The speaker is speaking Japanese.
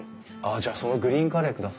じゃあそのグリーンカレー下さい。